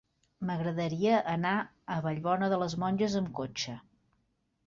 M'agradaria anar a Vallbona de les Monges amb cotxe.